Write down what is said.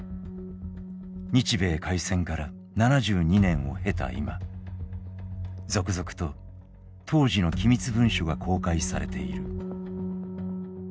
日米開戦から７２年を経た今続々と当時の機密文書が公開されている。